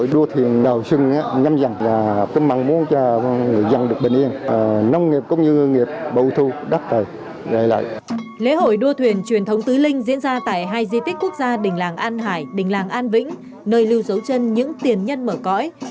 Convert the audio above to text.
lễ hội đua thuyền truyền thống tứ linh diễn ra tại hai di tích quốc gia đình làng an hải đình làng an vĩnh nơi lưu dấu chân những tiền nhân mở cõi